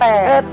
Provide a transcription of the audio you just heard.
eh pak rt